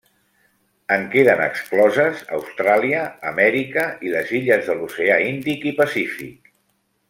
En queden excloses Austràlia, Amèrica i les illes de l'oceà Índic i Pacífic.